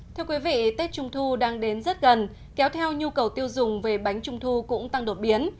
thưa quý vị tết trung thu đang đến rất gần kéo theo nhu cầu tiêu dùng về bánh trung thu cũng tăng đột biến